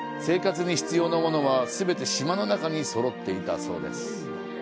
生活に必要なものは、全て島の中にそろっていたそうです。